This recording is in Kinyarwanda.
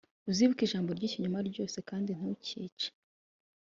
uzibukire ijambo ry ikinyoma ryose kandi ntukice